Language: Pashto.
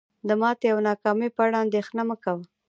د ماتې او ناکامۍ په اړه اندیښنه مه کوه.